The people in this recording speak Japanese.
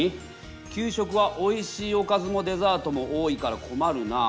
「給食はおいしいおかずもデザートも多いから困るなあ」。